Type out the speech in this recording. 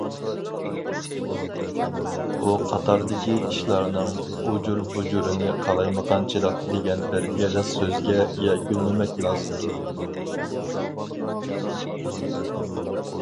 بۇ قاتاردىكى ئىشلارنىڭ ئۇجۇر- بۇجۇرىنى« قالايمىقانچىلىق» دېگەن بىر ئېغىز سۆزگە يەكۈنلىمەك لازىمدۇر.